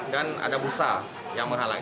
dan ada busa yang menghalang